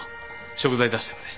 食材出してくれ。